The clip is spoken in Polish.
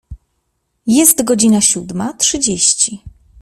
Jest godzina siódma trzydzieści.